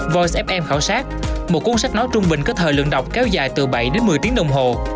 voicefm khảo sát một cuốn sách nói trung bình có thời lượng đọc kéo dài từ bảy đến một mươi tiếng đồng hồ